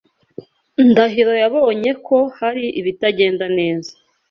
Ndahiro yabonye ko hari ibitagenda neza.